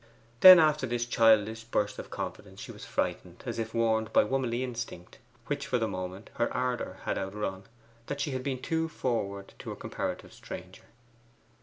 Then, after this childish burst of confidence, she was frightened, as if warned by womanly instinct, which for the moment her ardour had outrun, that she had been too forward to a comparative stranger.